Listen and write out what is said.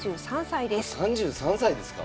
３３歳ですか？